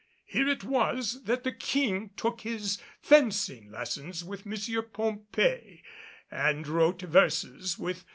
Here it was that the King took his fencing lessons with M. Pompée and wrote verses with M.